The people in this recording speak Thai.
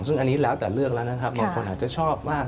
ซึ่งอันนี้แล้วแต่เรื่องแล้วนะครับบางคนอาจจะชอบมาก